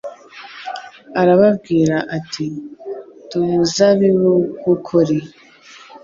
Arababwira ati: "Ndi umuzabibu w'ukuri."